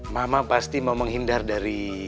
mama pasti mau menghindar dari